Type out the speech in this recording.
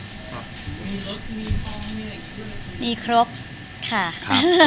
มีรถมีทองมีอะไรด้วย